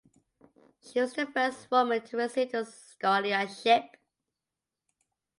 She was the first woman to receive this scholarship.